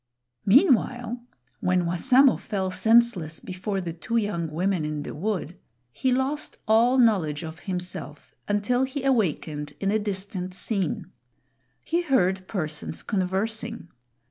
Meanwhile, when Wassamo fell senseless before the two young women in the wood, he lost all knowledge of himself until he awakened in a distant scene. He heard persons conversing.